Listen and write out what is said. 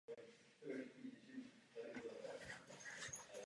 Zamrzá v říjnu a rozmrzá na konci června.